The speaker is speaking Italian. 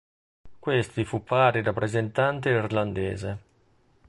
Questi fu pari rappresentante irlandese.